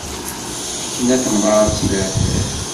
Tekna temɣart si leɛtab.